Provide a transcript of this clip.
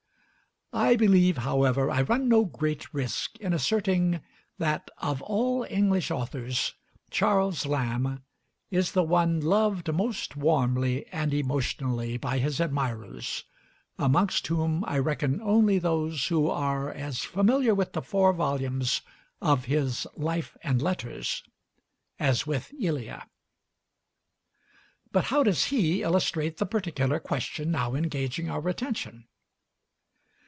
I believe, however, I run no great risk in asserting that, of all English authors, Charles Lamb is the one loved most warmly and emotionally by his admirers, amongst whom I reckon only those who are as familiar with the four volumes of his 'Life and Letters' as with 'Elia.' But how does he illustrate the particular question now engaging our attention?